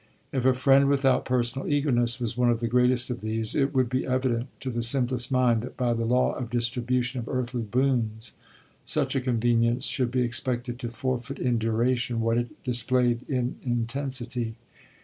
If a friend without personal eagerness was one of the greatest of these it would be evident to the simplest mind that by the law of distribution of earthly boons such a convenience should be expected to forfeit in duration what it displayed in intensity.